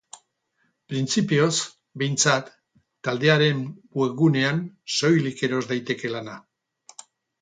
Printzipioz, behintzat, taldearen webgunean soilik eros daiteke lana.